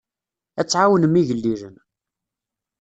Ad tɛawnem igellilen.